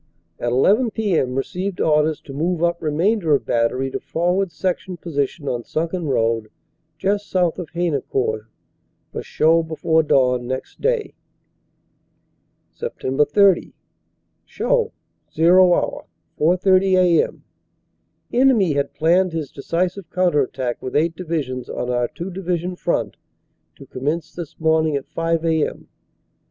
At 1 1 p.m. received orders to move up remainder of Battery to forward section position on sunken road just south of Haynecourt for show before dawn next day. OPERATIONS : SEPT. 30 OCT. 2 255 "Sept. 30 Show "zero" hour 4.30 a.m. Enemy had planned his decisive counter attack with eight divisions on our two division front to commence this morning at 5 a.m.